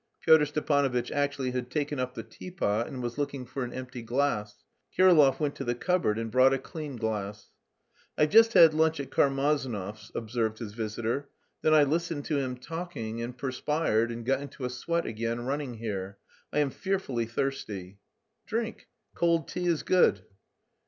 Pyotr Stepanovitch actually had taken up the teapot and was looking for an empty glass. Kirillov went to the cupboard and brought a clean glass. "I've just had lunch at Karmazinov's," observed his visitor, "then I listened to him talking, and perspired and got into a sweat again running here. I am fearfully thirsty." "Drink. Cold tea is good."